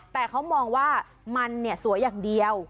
แต่เขามองว่ามันเนี่ยสวยอย่างเดียว